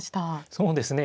そうですね